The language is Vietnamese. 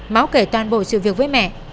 mão kể toàn bộ sự việc với mẹ